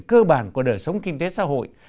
cơ bản của đời sống kinh tế xã hội